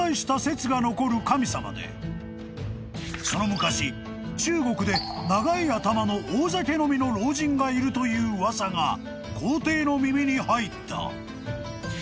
［その昔中国で長い頭の大酒飲みの老人がいるという噂が皇帝の耳に入った］